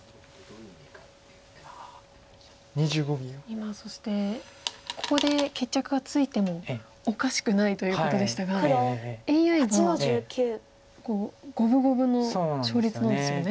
今そしてここで決着がついてもおかしくないということでしたがＡＩは五分五分の勝率なんですよね。